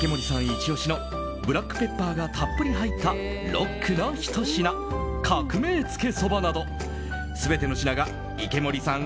イチ押しのブラックペッパーがたっぷり入ったロックなひと品革命つけそばなど全ての品が池森さん